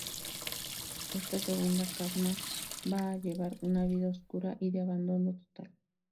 Esta segunda Casma va a llevar una vida oscura y de abandono total.